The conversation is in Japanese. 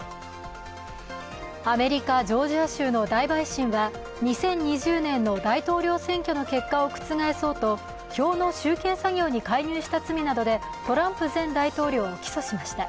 アメリカ・ジョージア州の大陪審は２０２０年の大統領選挙の結果を覆そうと票の集計作業に介入した罪などでトランプ前大統領を起訴しました。